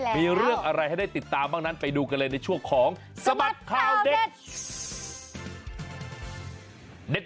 มีเรื่องอะไรให้ได้ติดตามบ้างนั้นไปดูกันเลยในช่วงของสบัดข่าวเด็ด